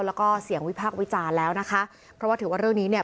แล้วก็เสียงวิพากษ์วิจารณ์แล้วนะคะเพราะว่าถือว่าเรื่องนี้เนี่ย